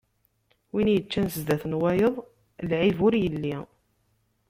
Win yeččan zdat wayeḍ, lɛib ur yelli.